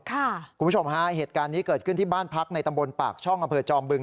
คุณผู้ชมฮะเหตุการณ์นี้เกิดขึ้นที่บ้านพักในตำบลปากช่องอำเภอจอมบึง